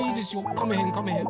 かめへんかめへん。